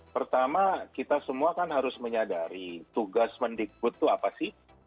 pertama kita semua kan harus menyadari tugas mendikbud itu apa sih